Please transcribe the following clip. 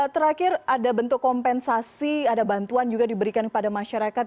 terakhir ada bentuk kompensasi ada bantuan juga diberikan kepada masyarakat